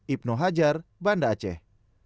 ibnu hajar banda aceh